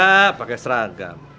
pkk pakai seragam